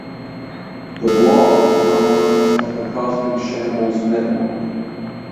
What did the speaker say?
The blog now runs at the Cosmic Shambles network.